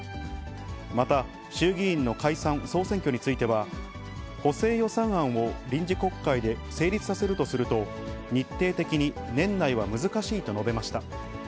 また、衆議院の解散・総選挙については、補正予算案を臨時国会で成立させるとすると日程的に年内は難しいと述べました。